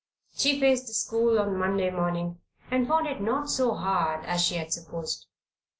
She faced the school on Monday morning and found it not so hard as she had supposed.